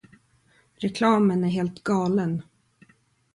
Reklamen är helt galen.